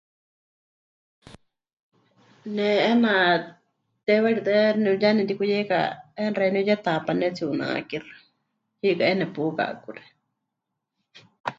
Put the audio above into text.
Ne 'eena teiwaritɨ́a ne... ya nemɨtikuyeika 'eena xeeníu Yetaápa pɨnetsi'unákixɨ, hiikɨ 'eena nepuka 'akuxi.